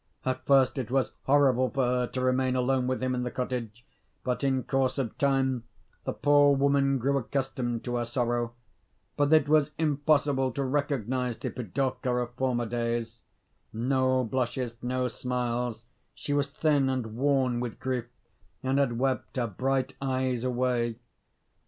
At first it was horrible for her to remain alone with him in the cottage; but, in course of time, the poor woman grew accustomed to her sorrow. But it was impossible to recognise the Pidorka of former days. No blushes, no smiles: she was thin and worn with grief, and had wept her bright eyes away.